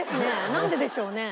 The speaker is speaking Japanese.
なんででしょうね？